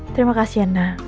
terima kasih anna